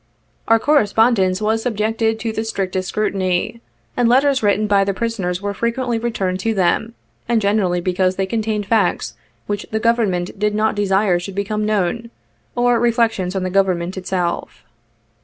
Our correspondence was subjected to the strictest scrutiny, and letters written by the prisoners were frequently return ed to them, and generally because they contained facts which the Government did not desire should become known, or re flections on the Government itself.